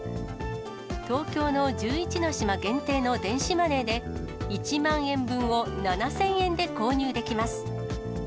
東京の１１の島限定の電子マネーで、１万円分を７０００円で購入できます。